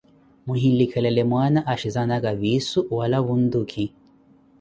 Muhinlikhelele mwaana axhezanaka viisu wala puntukhi.